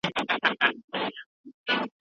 که سياست په درواغو ولاړ وي ټولنه زيان ويني.